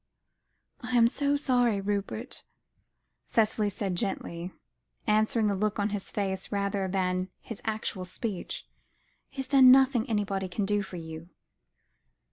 '" "I am so sorry, Rupert," Cicely said gently, answering the look on his face rather than his actual speech. "Is there nothing anybody can do for you?"